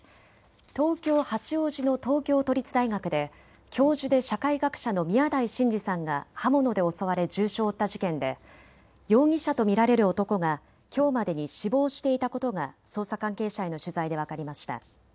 東京八王子の東京都立大学で教授で社会学者の宮台真司さんが刃物で襲われ重傷を負った事件で容疑者と見られる男がきょうまでに死亡していたことが捜査関係者への取材で分かりました。